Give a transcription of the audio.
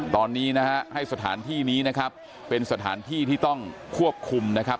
ตอนนี้นะฮะให้สถานที่นี้นะครับเป็นสถานที่ที่ต้องควบคุมนะครับ